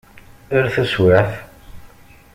Ar taswiεt!